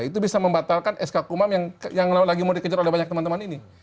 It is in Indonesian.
itu bisa membatalkan sk kumam yang lagi mau dikejar oleh banyak teman teman ini